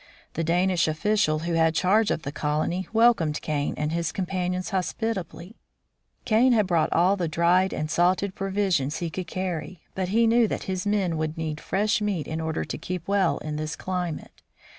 The Danish official who had charge of the colony welcomed Kane and his com panions hospitably. Kane had brought all the dried and salted provisions he could carry, but he knew that his men would need fresh meat in order to keep well in this climate.